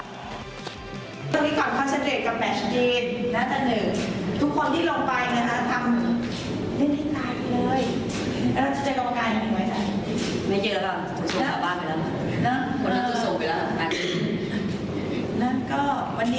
แล้วก็พี่ว่าวันนี้ทวนามันนี้เรามาได้สูงงามมาก